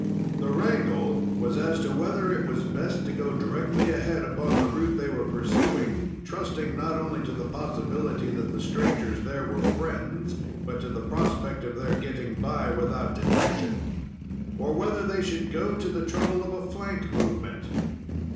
The wrangle was as to whether it was best to go directly ahead upon the route they were pursuing, trusting not only to the possibility that the strangers there were friends, but to the prospect of their getting by without detection, or whether they should go to the trouble of a flank movement.